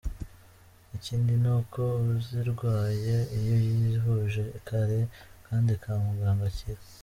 Ikindi ni uko uzirwaye iyo yivuje kare kandi kwa muganga akira.